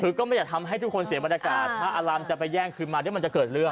คือก็ไม่อยากทำให้ทุกคนเสียบรรยากาศถ้าอารามจะไปแย่งคืนมาเดี๋ยวมันจะเกิดเรื่อง